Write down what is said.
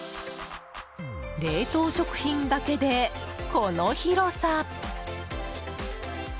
冷凍食品だけでこの広さ！